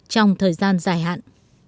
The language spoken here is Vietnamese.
trong thời gian dài hạn